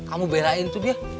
kamu belain tuh dia